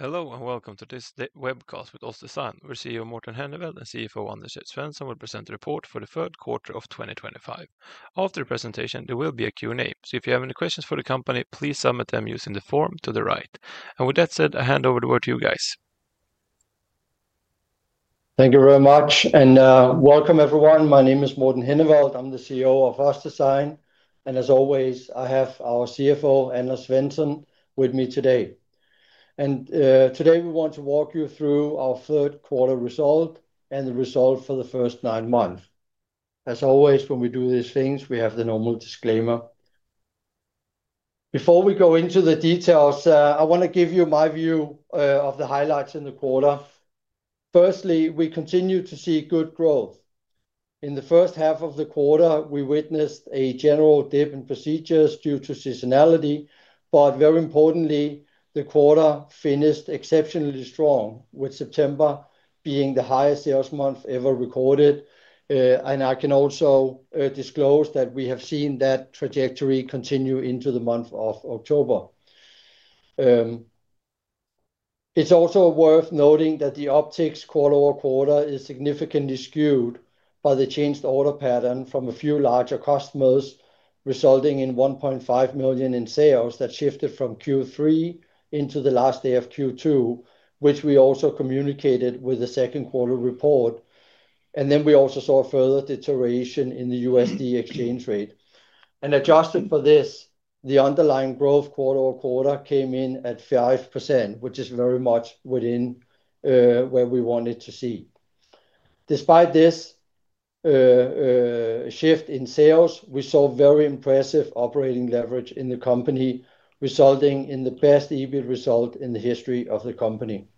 Hello and welcome to this webcast with OssDsign. Our CEO Morten Henneveld and CFO Anders Svensson will present a report for the third quarter of 2025. After the presentation, there will be a Q&A, so if you have any questions for the company, please submit them using the form to the right. With that said, I hand over the word to you guys. Thank you very much, and welcome everyone. My name is Morten Henneveld, I'm the CEO of OssDsign, and as always, I have our CFO, Anders Svensson, with me today. Today we want to walk you through our third quarter result and the result for the first nine months. As always, when we do these things, we have the normal disclaimer. Before we go into the details, I want to give you my view of the highlights in the quarter. Firstly, we continue to see good growth. In the first half of the quarter, we witnessed a general dip in procedures due to seasonality, but very importantly, the quarter finished exceptionally strong, with September being the highest sales month ever recorded. I can also disclose that we have seen that trajectory continue into the month of October. It's also worth noting that the optics quarter-over-quarter is significantly skewed by the changed order pattern from a few larger customers, resulting in $1.5 million in sales that shifted from Q3 into the last day of Q2, which we also communicated with the second quarter report. We also saw further deterioration in the USD exchange rate. Adjusted for this, the underlying growth quarter-over-quarter came in at 5%, which is very much within where we wanted to see. Despite this shift in sales, we saw very impressive operating leverage in the company, resulting in the best EBIT result in the history of the company.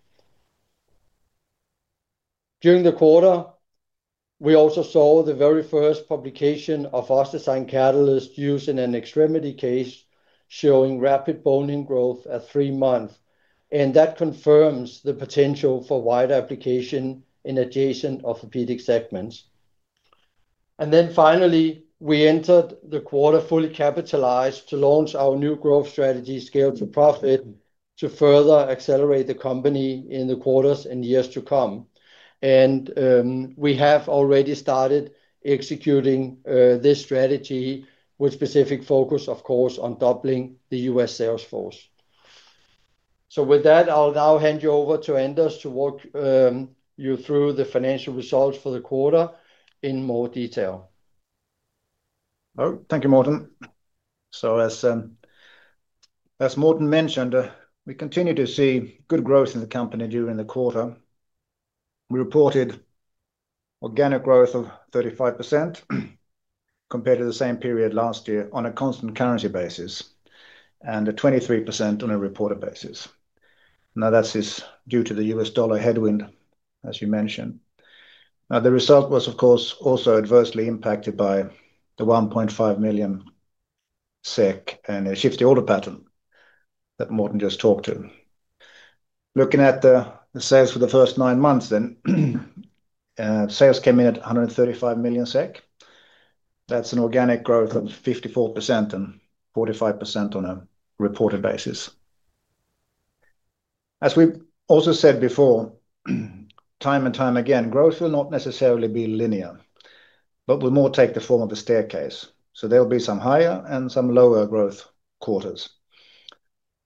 During the quarter, we also saw the very first publication of Oss Catalyst used in an extremity case, showing rapid bone-in growth at three months, and that confirms the potential for wider application in adjacent orthopedic segments. Finally, we entered the quarter fully capitalized to launch our new growth strategy, Scaled to Profit, to further accelerate the company in the quarters and years to come. We have already started executing this strategy with specific focus, of course, on doubling the US sales force. With that, I'll now hand you over to Anders to walk you through the financial results for the quarter in more detail. Thank you, Morten. As Morten mentioned, we continue to see good growth in the company during the quarter. We reported organic growth of 35% compared to the same period last year on a constant currency basis and 23% on a reported basis. That is due to the US dollar headwind, as you mentioned. The result was, of course, also adversely impacted by the 1.5 million SEK and a shift to order pattern that Morten just talked to. Looking at the sales for the first nine months, sales came in at 135 million SEK. That is an organic growth of 54% and 45% on a reported basis. As we also said before, time and time again, growth will not necessarily be linear, but will more take the form of a staircase. There will be some higher and some lower growth quarters.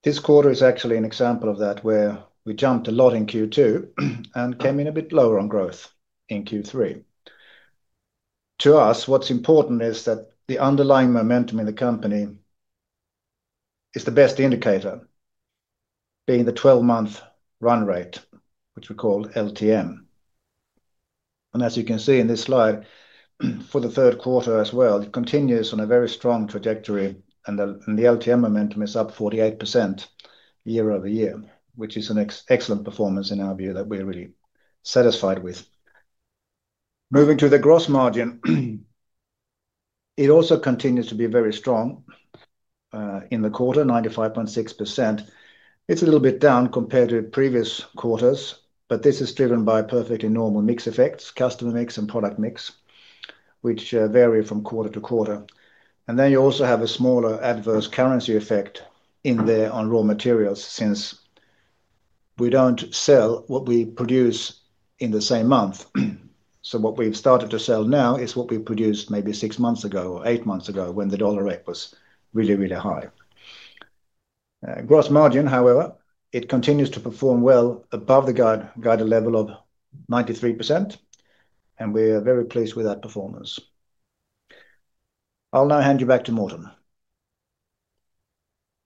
This quarter is actually an example of that where we jumped a lot in Q2 and came in a bit lower on growth in Q3. To us, what is important is that the underlying momentum in the company is the best indicator, being the 12-month run rate, which we call LTM. As you can see in this slide for the third quarter as well, it continues on a very strong trajectory, and the LTM momentum is up 48% year-over-year, which is an excellent performance in our view that we are really satisfied with. Moving to the gross margin, it also continues to be very strong. In the quarter, 95.6%. It is a little bit down compared to previous quarters, but this is driven by perfectly normal mix effects, customer mix and product mix, which vary from quarter to quarter. You also have a smaller adverse currency effect in there on raw materials since we do not sell what we produce in the same month. What we have started to sell now is what we produced maybe six months ago or eight months ago when the dollar rate was really, really high. Gross margin, however, continues to perform well above the guided level of 93%, and we are very pleased with that performance. I will now hand you back to Morten.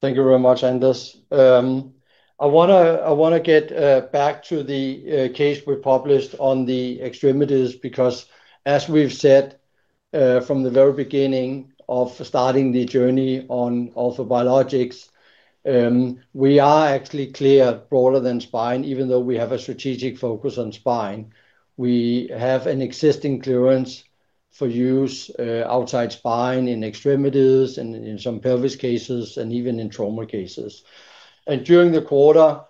Thank you very much, Anders. I want to get back to the case we published on the extremities because, as we've said, from the very beginning of starting the journey on orthobiologics, we are actually clear broader than spine, even though we have a strategic focus on spine. We have an existing clearance for use outside spine in extremities and in some pelvis cases and even in trauma cases. During the quarter,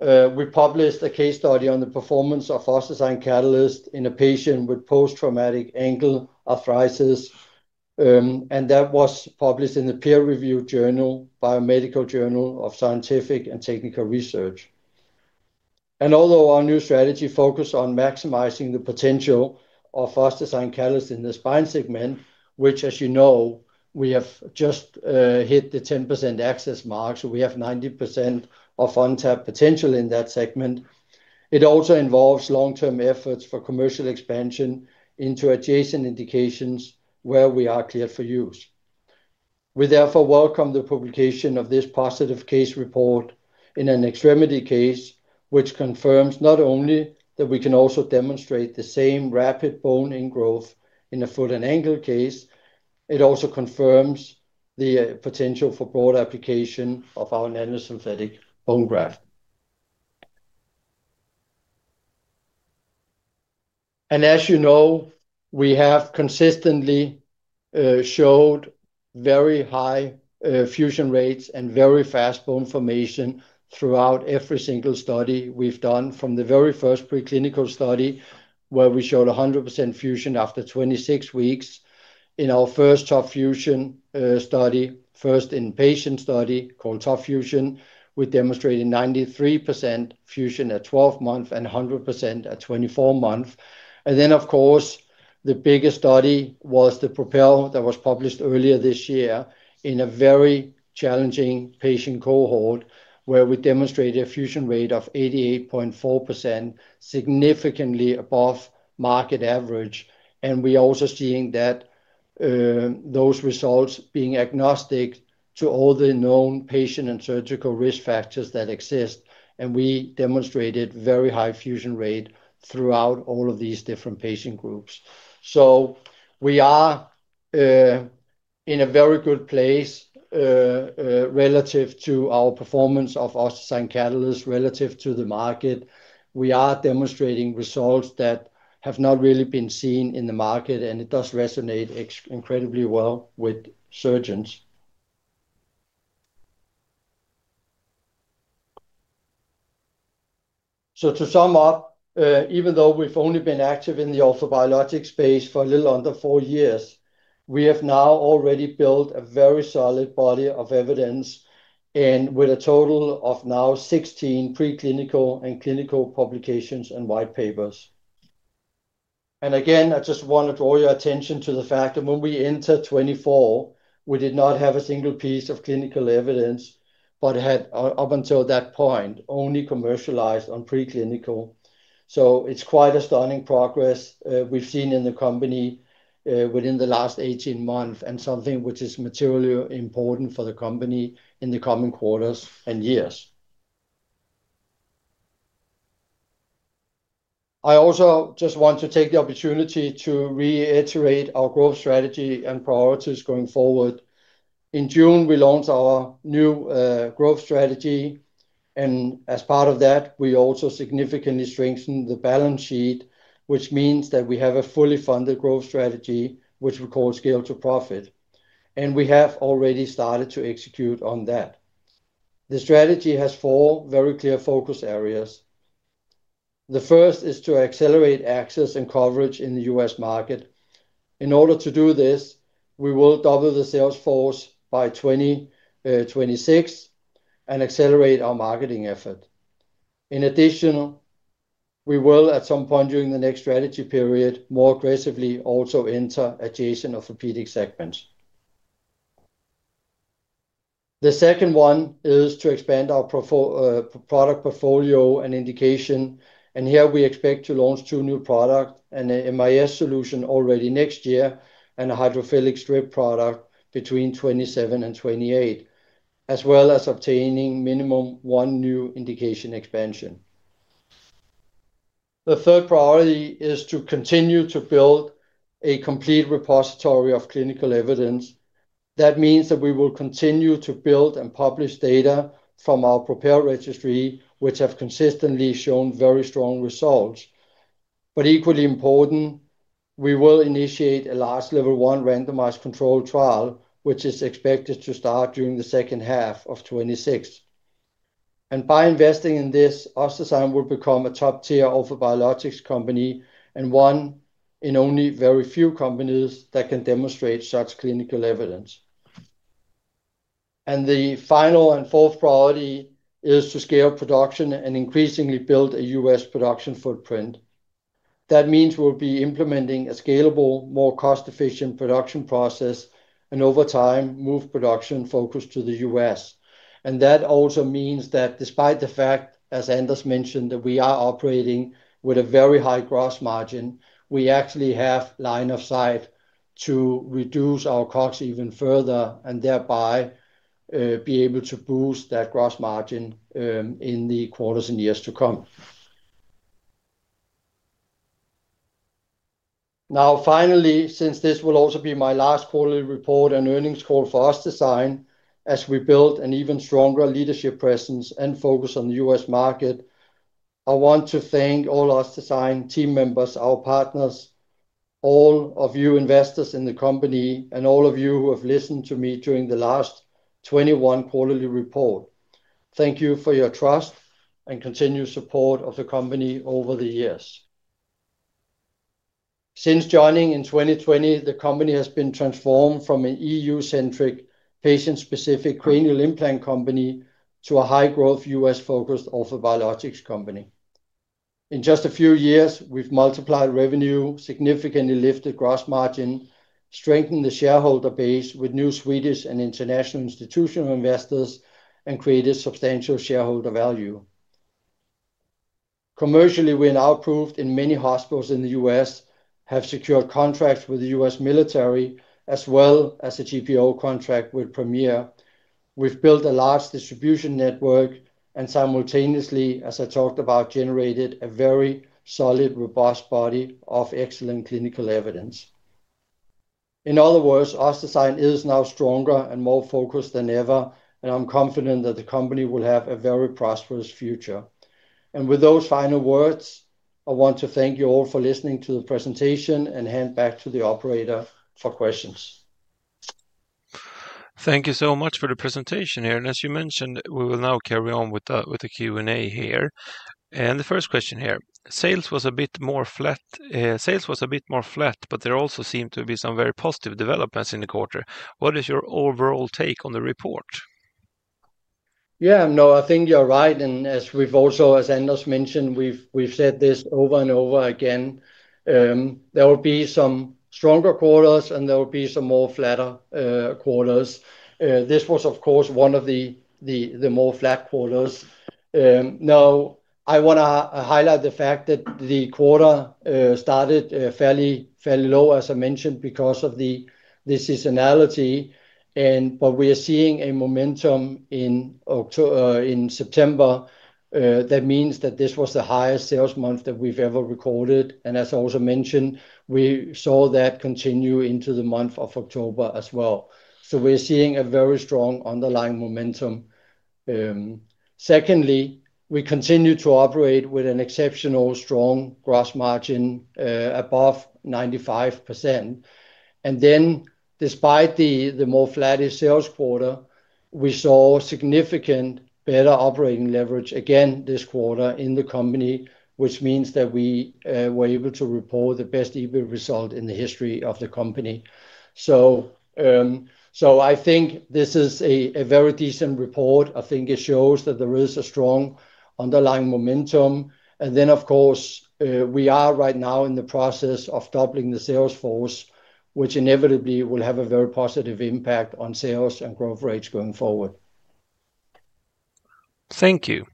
we published a case study on the performance of Oss Catalyst in a patient with post-traumatic ankle arthritis. That was published in the peer-reviewed journal, Biomedical Journal of Scientific and Technical Research. Although our new strategy focused on maximizing the potential of OssDsign Catalyst in the spine segment, which, as you know, we have just hit the 10% access mark, so we have 90% of untapped potential in that segment, it also involves long-term efforts for commercial expansion into adjacent indications where we are cleared for use. We therefore welcome the publication of this positive case report in an extremity case, which confirms not only that we can also demonstrate the same rapid bone-in growth in a foot and ankle case, it also confirms the potential for broader application of our anatomic bone graft. As you know, we have consistently showed very high fusion rates and very fast bone formation throughout every single study we've done, from the very first preclinical study where we showed 100% fusion after 26 weeks. In our first Top Fusion study, first in-patient study called Top Fusion, we demonstrated 93% fusion at 12 months and 100% at 24 months. Of course, the biggest study was the PROPEL that was published earlier this year in a very challenging patient cohort where we demonstrated a fusion rate of 88.4%, significantly above market average. We are also seeing those results being agnostic to all the known patient and surgical risk factors that exist. We demonstrated very high fusion rate throughout all of these different patient groups. We are in a very good place relative to our performance of Oss Catalyst relative to the market. We are demonstrating results that have not really been seen in the market, and it does resonate incredibly well with surgeons. To sum up, even though we've only been active in the orthobiologic space for a little under four years, we have now already built a very solid body of evidence. With a total of now 16 preclinical and clinical publications and white papers. Again, I just want to draw your attention to the fact that when we entered 2024, we did not have a single piece of clinical evidence, but had up until that point only commercialized on preclinical. It's quite a stunning progress we've seen in the company within the last 18 months and something which is materially important for the company in the coming quarters and years. I also just want to take the opportunity to reiterate our growth strategy and priorities going forward. In June, we launched our new growth strategy. As part of that, we also significantly strengthened the balance sheet, which means that we have a fully funded growth strategy, which we call Scaled to Profit. We have already started to execute on that. The strategy has four very clear focus areas. The first is to accelerate access and coverage in the U.S. market. In order to do this, we will double the sales force by 2026 and accelerate our marketing effort. In addition, we will, at some point during the next strategy period, more aggressively also enter adjacent orthopedic segments. The second one is to expand our product portfolio and indication. Here we expect to launch two new products and an MIS solution already next year and a hydrophilic strip product between 2027 and 2028, as well as obtaining minimum one new indication expansion. The third priority is to continue to build a complete repository of clinical evidence. That means that we will continue to build and publish data from our PROPEL registry, which have consistently shown very strong results. Equally important, we will initiate a large level one randomized control trial, which is expected to start during the second half of 2026. By investing in this, OssDsign will become a top-tier orthobiologics company and one in only very few companies that can demonstrate such clinical evidence. The final and fourth priority is to scale production and increasingly build a US production footprint. That means we'll be implementing a scalable, more cost-efficient production process and over time move production focus to the U.S. That also means that despite the fact, as Anders mentioned, that we are operating with a very high gross margin, we actually have line of sight to reduce our costs even further and thereby be able to boost that gross margin in the quarters and years to come. Now, finally, since this will also be my last quarterly report and earnings call for OssDsign, as we build an even stronger leadership presence and focus on the U.S. market, I want to thank all OssDsign team members, our partners, all of you investors in the company, and all of you who have listened to me during the last 21 quarterly report. Thank you for your trust and continued support of the company over the years. Since joining in 2020, the company has been transformed from an EU-centric patient-specific cranial implant company to a high-growth U.S. focused orthobiologics company. In just a few years, we've multiplied revenue, significantly lifted gross margin, strengthened the shareholder base with new Swedish and international institutional investors, and created substantial shareholder value. Commercially, we're now approved in many hospitals in the U.S., have secured contracts with the U.S. military, as well as a GPO contract with Premier. We've built a large distribution network and simultaneously, as I talked about, generated a very solid, robust body of excellent clinical evidence. In other words, OssDsign is now stronger and more focused than ever, and I'm confident that the company will have a very prosperous future. With those final words, I want to thank you all for listening to the presentation and hand back to the operator for questions. Thank you so much for the presentation, Aaron. As you mentioned, we will now carry on with the Q&A here. The first question here, sales was a bit more flat, but there also seemed to be some very positive developments in the quarter. What is your overall take on the report? Yeah, no, I think you're right. As we've also, as Anders mentioned, we've said this over and over again. There will be some stronger quarters and there will be some more flatter quarters. This was, of course, one of the more flat quarters. I want to highlight the fact that the quarter started fairly low, as I mentioned, because of the seasonality. We are seeing a momentum in September. That means that this was the highest sales month that we've ever recorded. As I also mentioned, we saw that continue into the month of October as well. We are seeing a very strong underlying momentum. Secondly, we continue to operate with an exceptional strong gross margin above 95%. Despite the more flatter sales quarter, we saw significant better operating leverage again this quarter in the company, which means that we were able to report the best EBIT result in the history of the company. I think this is a very decent report. I think it shows that there is a strong underlying momentum. Of course, we are right now in the process of doubling the sales force, which inevitably will have a very positive impact on sales and growth rates going forward. Thank you.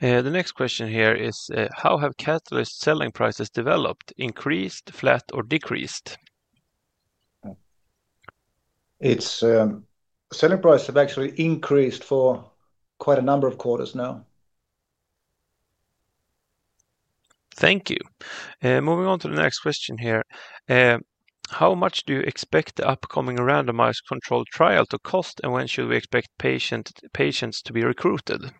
The next question here is, how have Catalyst selling prices developed, increased, flat, or decreased? Selling prices have actually increased for quite a number of quarters now. Thank you. Moving on to the next question here. How much do you expect the upcoming randomized controlled trial to cost and when should we expect patients to be recruited?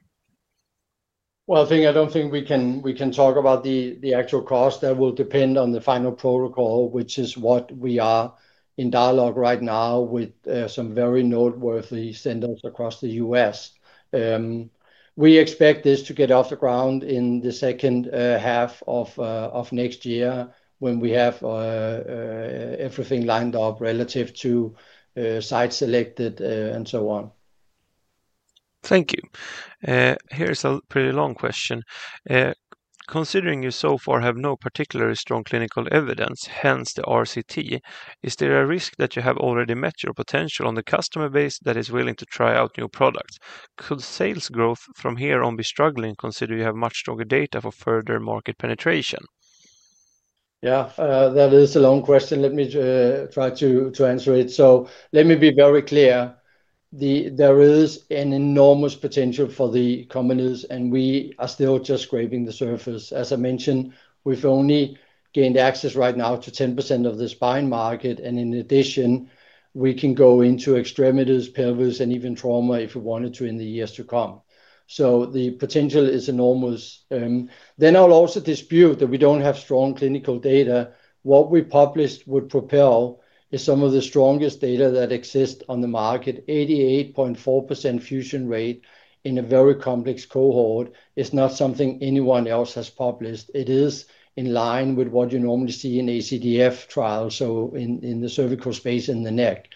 I don't think we can talk about the actual cost. That will depend on the final protocol, which is what we are in dialogue right now with some very noteworthy centers across the U.S. We expect this to get off the ground in the second half of next year when we have everything lined up relative to site selected and so on. Thank you. Here's a pretty long question. Considering you so far have no particularly strong clinical evidence, hence the RCT, is there a risk that you have already met your potential on the customer base that is willing to try out new products? Could sales growth from here on be struggling considering you have much stronger data for further market penetration? Yeah, that is a long question. Let me try to answer it. Let me be very clear. There is an enormous potential for the companies, and we are still just scraping the surface. As I mentioned, we've only gained access right now to 10% of the spine market. In addition, we can go into extremities, pelvis, and even trauma if we wanted to in the years to come. The potential is enormous. I will also dispute that we don't have strong clinical data. What we published with PROPEL is some of the strongest data that exists on the market. 88.4% fusion rate in a very complex cohort is not something anyone else has published. It is in line with what you normally see in ACDF trials, in the cervical space and the neck,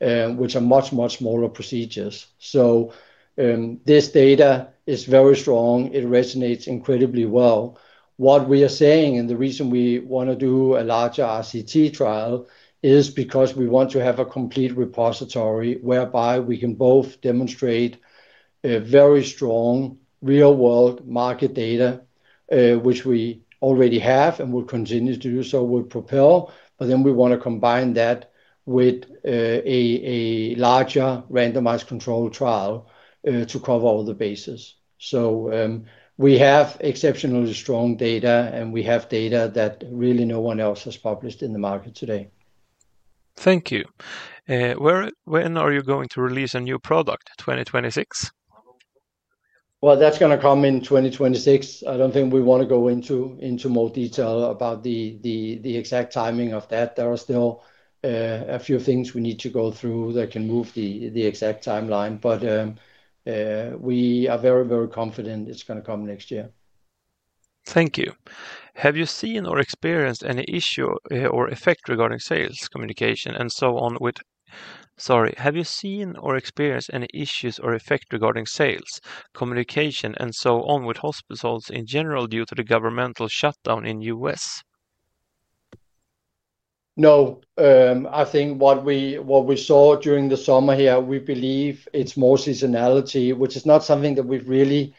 which are much, much smaller procedures. This data is very strong. It resonates incredibly well. What we are saying and the reason we want to do a larger RCT trial is because we want to have a complete repository whereby we can both demonstrate very strong real-world market data, which we already have and will continue to do so with PROPEL. We want to combine that with a larger randomized control trial to cover all the bases. We have exceptionally strong data, and we have data that really no one else has published in the market today. Thank you. When are you going to release a new product, 2026? That is going to come in 2026. I do not think we want to go into more detail about the exact timing of that. There are still a few things we need to go through that can move the exact timeline. We are very, very confident it is going to come next year. Thank you. Have you seen or experienced any issue or effect regarding sales communication and so on with—sorry—have you seen or experienced any issues or effect regarding sales communication and so on with hospitals in general due to the governmental shutdown in the U.S.? No. I think what we saw during the summer here, we believe it's more seasonality, which is not something that we've really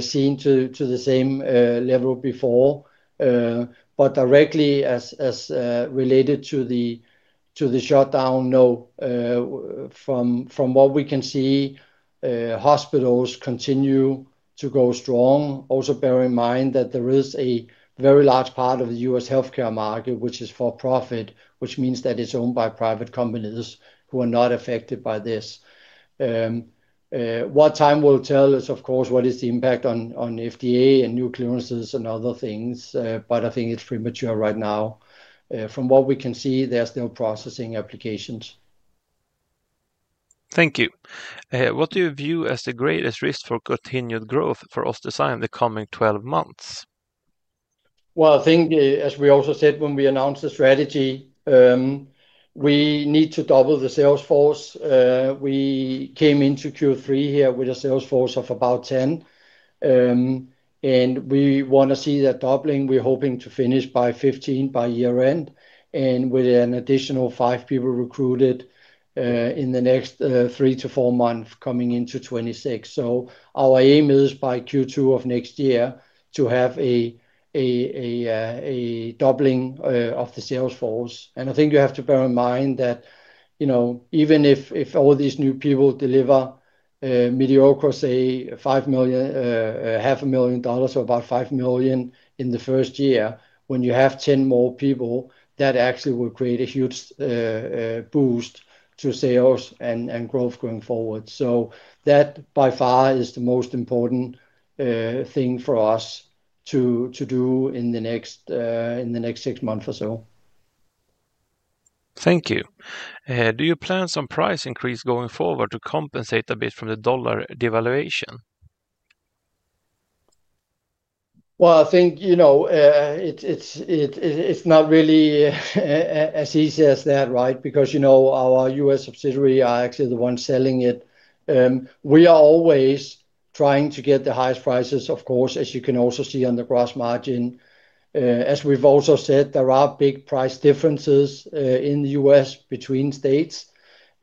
seen to the same level before. Directly related to the shutdown, no. From what we can see, hospitals continue to go strong. Also bear in mind that there is a very large part of the U.S. healthcare market, which is for profit, which means that it's owned by private companies who are not affected by this. What time will tell us, of course, is what is the impact on FDA and new clearances and other things. I think it's premature right now. From what we can see, there's no processing applications. Thank you. What do you view as the greatest risk for continued growth for OssDsign in the coming 12 months? I think, as we also said when we announced the strategy, we need to double the sales force. We came into Q3 here with a sales force of about 10, and we want to see that doubling. We're hoping to finish by 15 by year-end and with an additional five people recruited in the next three to four months coming into 2026. Our aim is by Q2 of next year to have a doubling of the sales force. I think you have to bear in mind that even if all these new people deliver mediocre, say, $500,000 or about 5 million in the first year, when you have 10 more people, that actually will create a huge boost to sales and growth going forward. That by far is the most important thing for us to do in the next six months or so. Thank you. Do you plan some price increase going forward to compensate a bit from the dollar devaluation? I think it's not really as easy as that, right? Because our U.S. subsidiaries are actually the ones selling it. We are always trying to get the highest prices, of course, as you can also see on the gross margin. As we've also said, there are big price differences in the U.S. between states.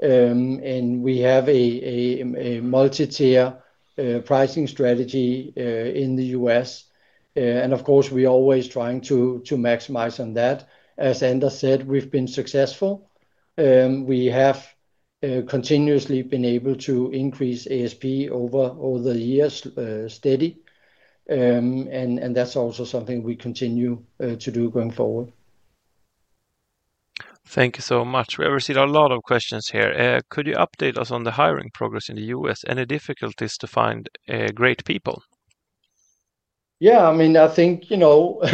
We have a multi-tier pricing strategy in the U.S., and of course, we are always trying to maximize on that. As Anders said, we've been successful. We have continuously been able to increase ASP over the years steady, and that's also something we continue to do going forward. Thank you so much. We have received a lot of questions here. Could you update us on the hiring progress in the U.S.? Any difficulties to find great people? Yeah, I mean, I think things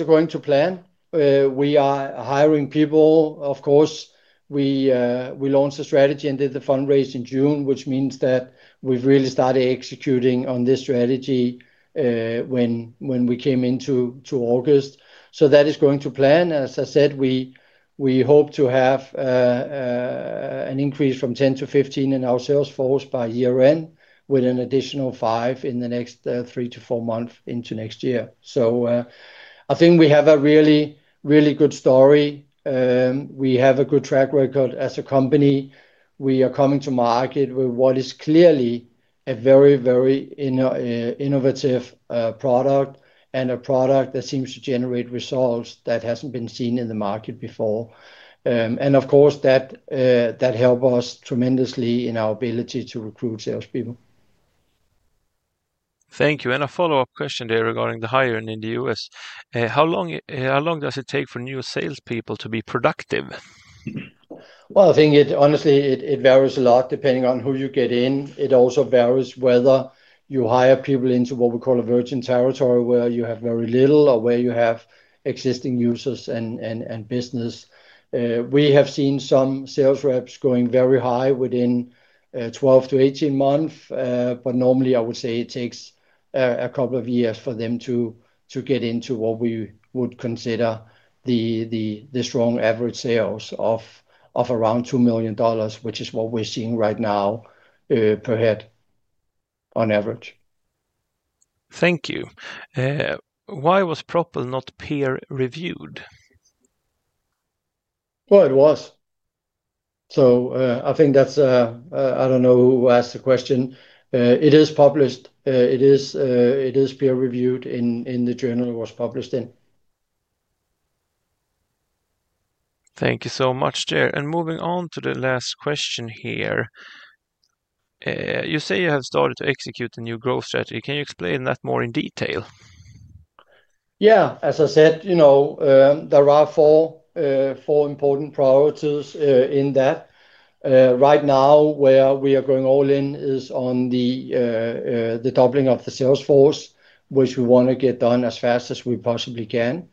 are going to plan. We are hiring people. Of course, we launched a strategy and did the fundraise in June, which means that we've really started executing on this strategy when we came into August. That is going to plan. As I said, we hope to have an increase from 10-15 in our sales force by year-end with an additional five in the next three to four months into next year. I think we have a really, really good story. We have a good track record as a company. We are coming to market with what is clearly a very, very innovative product and a product that seems to generate results that haven't been seen in the market before. Of course, that helps us tremendously in our ability to recruit salespeople. Thank you. A follow-up question there regarding the hiring in the U.S. How long does it take for new salespeople to be productive? I think it honestly, it varies a lot depending on who you get in. It also varies whether you hire people into what we call a virgin territory where you have very little or where you have existing users and business. We have seen some sales reps going very high within 12-18 months. Normally, I would say it takes a couple of years for them to get into what we would consider the strong average sales of around $2 million, which is what we're seeing right now per head on average. Thank you. Why was PROPEL not peer-reviewed? I think that's—I don't know who asked the question. It is published. It is peer-reviewed in the journal it was published in. Thank you so much. Moving on to the last question here. You say you have started to execute a new growth strategy. Can you explain that more in detail? Yeah, as I said. There are four important priorities in that. Right now, where we are going all in is on the doubling of the sales force, which we want to get done as fast as we possibly can.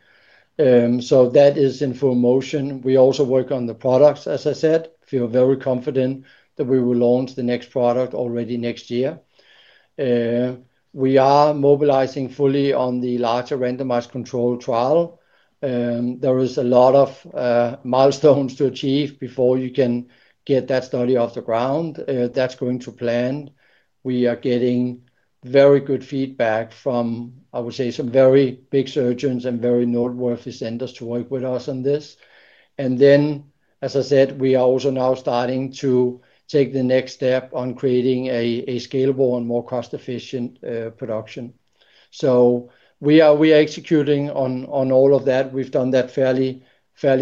That is in full motion. We also work on the products, as I said. We are very confident that we will launch the next product already next year. We are mobilizing fully on the larger randomized control trial. There is a lot of milestones to achieve before you can get that study off the ground. That is going to plan. We are getting very good feedback from, I would say, some very big surgeons and very noteworthy centers to work with us on this. As I said, we are also now starting to take the next step on creating a scalable and more cost-efficient production. We are executing on all of that. We have done that fairly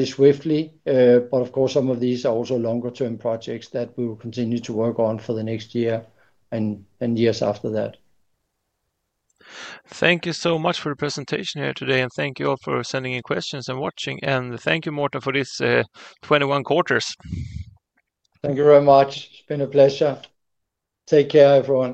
swiftly. Of course, some of these are also longer-term projects that we will continue to work on for the next year and years after that. Thank you so much for the presentation here today. Thank you all for sending in questions and watching. Thank you, Morten, for this 21 quarters. Thank you very much. It's been a pleasure. Take care, everyone.